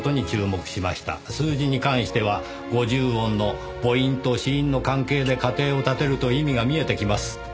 数字に関しては五十音の母音と子音の関係で仮定を立てると意味が見えてきます。